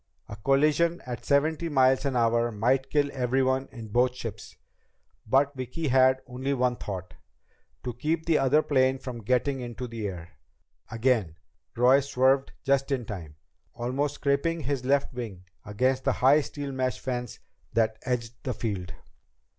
A collision at seventy miles an hour might kill everyone in both ships. But Vicki had only one thought to keep the other plane from getting into the air. Again, Roy swerved just in time, almost scraping his left wing against the high steel mesh fence that edged the field.